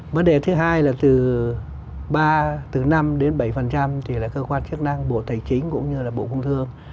vấn đề thứ hai là từ năm đến bảy thì là cơ quan chức năng bộ tài chính cũng như là bộ công thương